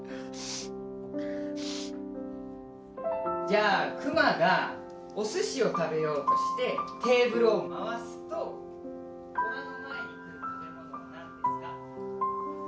じゃあクマがおすしを食べようとしてテーブルを回すと虎の前に来る食べ物は何ですか？